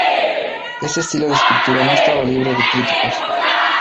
Este estilo de escritura no estaba libre de críticos.